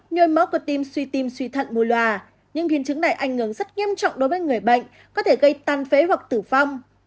nhôi móc của tim suy tim suy thận mù loà nhưng biến chứng này ảnh hưởng rất nghiêm trọng đối với người bệnh có thể gây tan phế hoặc tử phong